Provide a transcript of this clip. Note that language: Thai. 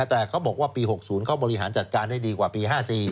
แต่เขาบอกว่าปี๖๐เขาบริหารจัดการได้ดีกว่าปี๕๔